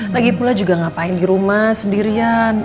lagipula juga ngapain di rumah sendirian